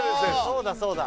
そうだそうだ。